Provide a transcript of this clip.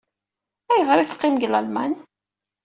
Ayɣer ay teqqim deg Lalman?